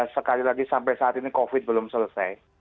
sekali lagi sampai saat ini covid belum selesai